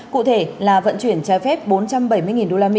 cụ thể là vận chuyển trái phép bốn trăm bảy mươi usd